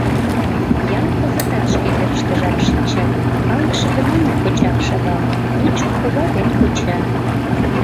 Ял кызытат шке верыштыжак шинча, калыкше гына моткочак шагал: лучко кува ден коча...